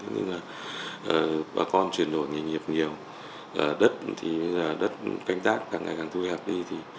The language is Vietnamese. tức là bà con chuyển đổi nghề nghiệp nhiều đất thì bây giờ đất cánh tác càng ngày càng thu hẹp đi